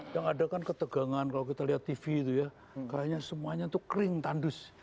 yang ada kan ketegangan kalau kita lihat tv itu ya kayaknya semuanya tuh kering tandus